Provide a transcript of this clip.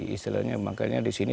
istilahnya makanya disini